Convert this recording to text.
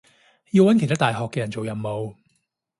要搵其他大學嘅人做任務